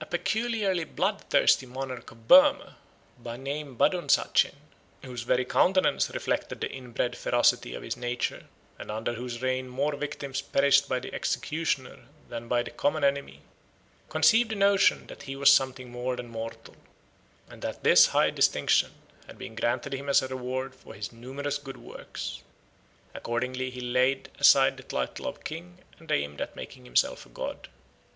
A peculiarly bloodthirsty monarch of Burma, by name Badonsachen, whose very countenance reflected the inbred ferocity of his nature, and under whose reign more victims perished by the executioner than by the common enemy, conceived the notion that he was something more than mortal, and that this high distinction had been granted him as a reward for his numerous good works. Accordingly he laid aside the title of king and aimed at making himself a god.